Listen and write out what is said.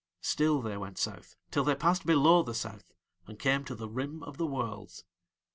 Still they went South till they passed below the South and came to the Rim of the Worlds.